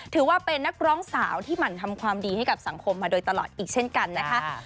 ถือว่าเป็นนักร้องสาวที่หมั่นทำความดีให้กับสังคมมาโดยตลอดอีกเช่นกันนะคะ